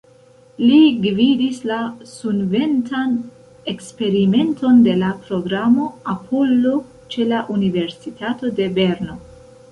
Li gvidis la sunventan eksperimenton de la programo Apollo ĉe la Universitato de Berno.